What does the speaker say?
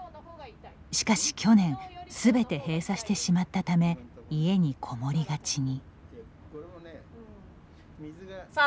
しかし去年すべて閉鎖してしまったため家に籠もりがちに。